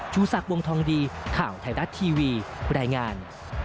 ชูสักวงธองดีข่าวไทยรัฐทีวีผู้ได้งาน